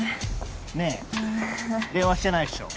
ねえ電話してないっしょ？